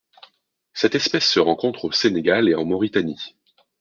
Cette espèce se rencontre au Sénégal et en Mauritanie.